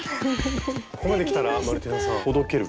ここまできたらマルティナさんほどける？